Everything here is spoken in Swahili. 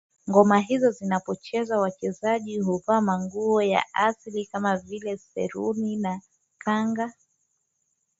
Ngoma hizo zinapochezwa wachezaji huvaa mavazi ya asili kama vile seruni na kanga